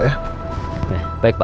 ya baik pak